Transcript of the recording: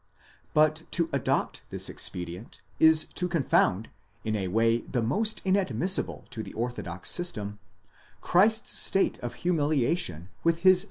#! But to adopt this expedient is to confound, in a way the most inadmissible on the orthodox system, Christ's state of humiliation with his.